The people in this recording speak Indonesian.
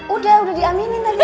udah udah diaminin tadi